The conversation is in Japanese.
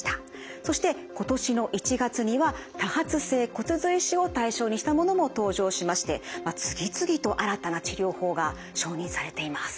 そして今年の１月には多発性骨髄腫を対象にしたものも登場しまして次々と新たな治療法が承認されています。